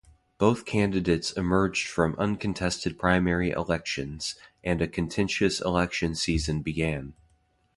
Both candidates emerged from uncontested primary elections and a contentious election season began.